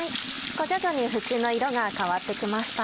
徐々に縁の色が変わって来ました。